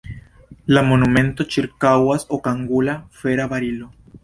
La monumenton ĉirkaŭas okangula, fera barilo.